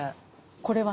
これは。